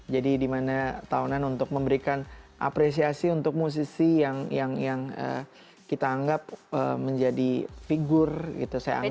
jadi dimana tahunan untuk memberikan apresiasi untuk musisi yang kita anggap menjadi figur gitu saya anggap